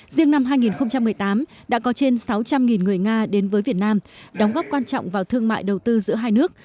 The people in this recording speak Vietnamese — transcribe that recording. riêng năm hai nghìn một mươi tám đã có trên sáu trăm linh người nga đến với việt nam đóng góp quan trọng vào thương mại đầu tư giữa hai nước